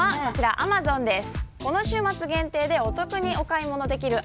アマゾンです。